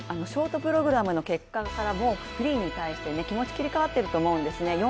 ショートプログラムの結果から、もうフリーに対して、気持ち切り替わってると思うんですね。